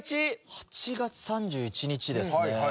「８月３１日」ですね。